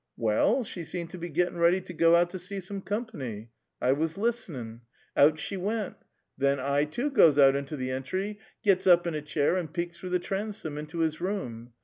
Well [hw], she seemed to be gittin' ready to go out to sec some comp'ny. I was list'niu'. Out she went. Then [nu] I, too, goes out into the entry, gits up in a eliair, and pecks through the transom into his nM)ni.